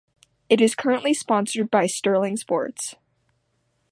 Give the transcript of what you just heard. It is currently sponsored by Stirling Sports.